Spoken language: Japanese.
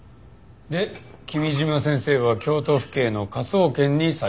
で君嶋先生は京都府警の科捜研に採用された。